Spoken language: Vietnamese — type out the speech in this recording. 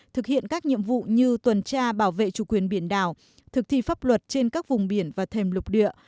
thực hiện các nhiệm vụ như tuần tra bảo vệ chủ quyền biển đảo thực thi pháp luật trên các vùng biển và thềm lục địa